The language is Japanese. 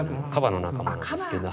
樺の仲間なんですけど。